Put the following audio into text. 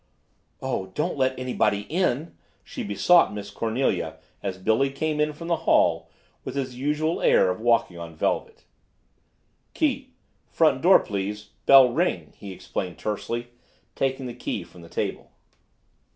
"Oh, don't let anybody in!" she besought Miss Cornelia as Billy came in from the hall with his usual air of walking on velvet. "Key, front door please bell ring," he explained tersely, taking the key from the table.